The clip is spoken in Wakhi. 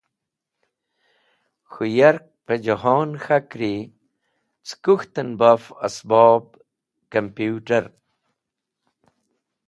K̃hũ yark pẽ jẽhon k̃hakri cẽ kũk̃htẽn baf ẽsbob kamputẽr (computer)